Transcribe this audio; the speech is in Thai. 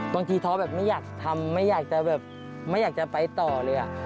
ท้อแบบไม่อยากทำไม่อยากจะแบบไม่อยากจะไปต่อเลย